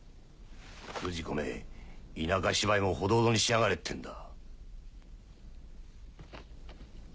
不二子め田舎芝居もほどほどにしやがれってんだ。